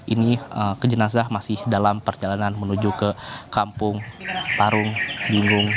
ini jenazah masih dalam perjalanan menuju ke kampung parung binggung